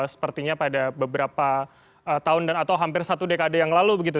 sepertinya pada beberapa tahun dan atau hampir satu dekade yang lalu begitu